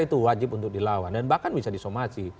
itu wajib untuk dilawan dan bahkan bisa disomasi